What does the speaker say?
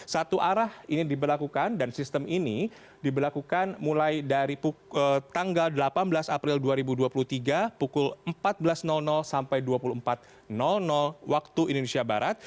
satu arah ini diberlakukan dan sistem ini diberlakukan mulai dari tanggal delapan belas april dua ribu dua puluh tiga pukul empat belas sampai dua puluh empat waktu indonesia barat